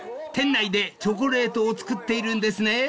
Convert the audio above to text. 店内でチョコレートを作っているんですね］